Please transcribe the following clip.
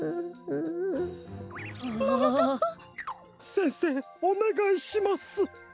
せんせいおねがいします。